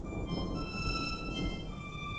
زه پاک لیک کوم.